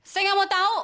saya gak mau tau